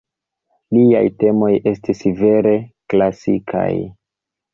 Liaj temoj estis vere klasikaj.